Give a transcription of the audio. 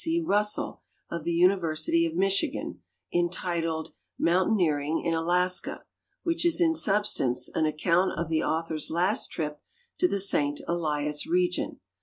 C. Russell, of the University of Michi gan, entitled "Mountaineering in Alaska," which is in substance an ac count of the autlior's last trij^ to the St Elias region.